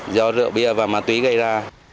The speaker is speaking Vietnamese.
do rượu bia và ma túy gây ra